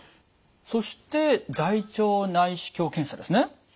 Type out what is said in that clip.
そして大腸内視鏡検査ですね。